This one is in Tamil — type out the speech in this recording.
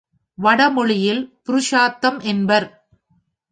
வடமொழியில் புருஷார்த்தம் என்பர்.